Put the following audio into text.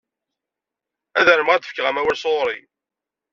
Ad armeɣ ad d-fkeɣ amaway sɣur-i.